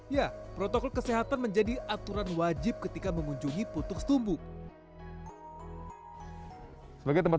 ya protokol kesehatan menjadi aturan wajib ketika mengunjungi putukstumbuk sebagai tempat